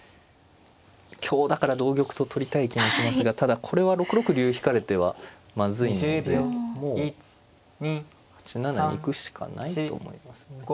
香だから同玉と取りたい気もしますがただこれは６六竜引かれてはまずいのでもう８七に行くしかないと思いますね。